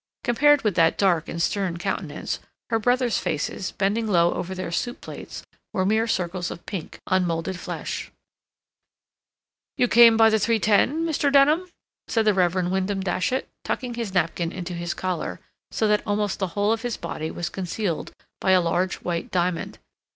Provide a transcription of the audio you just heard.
Compared with that dark and stern countenance, her brothers' faces, bending low over their soup plates, were mere circles of pink, unmolded flesh. "You came by the 3.10, Mr. Denham?" said the Reverend Wyndham Datchet, tucking his napkin into his collar, so that almost the whole of his body was concealed by a large white diamond.